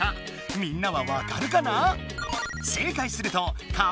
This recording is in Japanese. みんなはわかるかな？